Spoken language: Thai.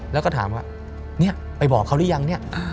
แล้วก็ถามอย่างนั้นไปบอกเขาหรือยัง